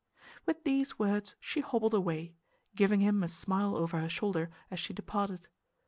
With these words she hobbled away, giving him a smile over her shoulder as she departed.